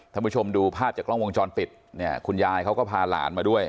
ท่านผู้ชมดูภาพจากกล้องวงจรปิดเนี่ยคุณยายเขาก็พาหลานมาด้วย